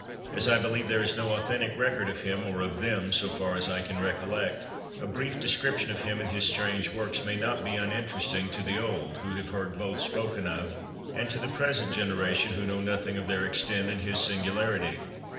As I believe there is no authentic record of him, or of them, so far as I can recollect, a brief description of him and his strange works may not be uninteresting to the old, who have heard both spoken of, and to the present generation who know nothing of their extent and his singularity.